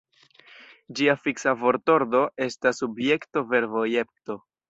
Ĝia fiksa vortordo estas subjekto-verbo-objekto.